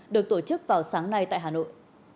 được tổ chức vào sáng nay tại hà nội